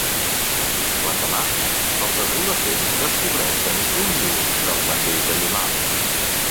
L'endemà, els adolescents descobreixen un niu del mateix animal.